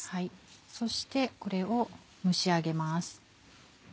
そしてこれを蒸し上げます。